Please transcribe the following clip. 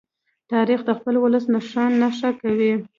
تاریخ د خپل ولس نښان نښه کوي.